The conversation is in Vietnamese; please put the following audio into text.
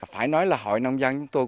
phải nói là hội nông dân chúng tôi